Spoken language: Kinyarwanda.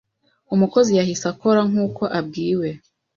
Umukozi yahise akora nk’uko abwiwe